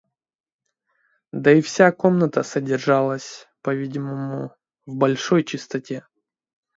Да и вся комната содержалась, по-видимому, в большой чистоте.